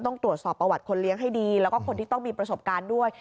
ต้องตรวจสอบประวัติคนเลี้ยงให้ดีแล้วก็คนที่ต้องมีประสบการณ์ด้วย